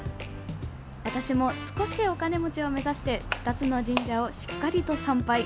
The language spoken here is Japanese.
私も少しお金持ちを目指して２つの神社をしっかりと参拝。